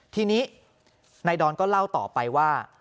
ทีนี้นายดอนก็เล่าต่อไปว่า